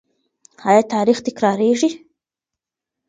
آیا تاریخ تکراریږي؟